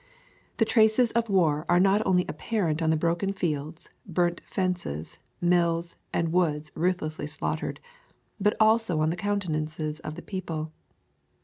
The traces of war are not only apparent on the broken fields, burnt fences, mills, and woods ruthlessly slaughtered, but also on the counte nances of the people.